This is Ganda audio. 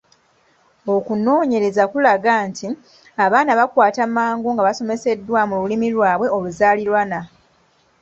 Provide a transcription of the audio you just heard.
Okunoonyereza kulaga nti abaana bakwata mangu nga basomeseddwa mu lulimi lwabwe oluzaaliranwa.